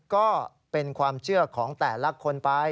ก็เป็นความเชื่อของแต่ละคนไป